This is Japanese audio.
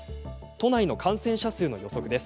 都内の感染者数の予測です。